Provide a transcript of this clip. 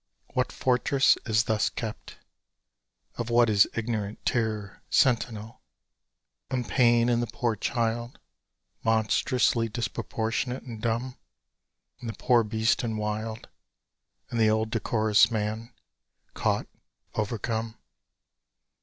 What fortress is thus kept? Of what is ignorant terror sentinel? And pain in the poor child, Monstrously disproportionate, and dumb In the poor beast, and wild In the old decorous man, caught, overcome?